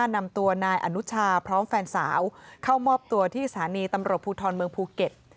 นำตัวนายอนุชาพร้อมแฟนสาวเข้ามอบตัวที่สถานีตำรวจภูทรเมืองภูเก็ต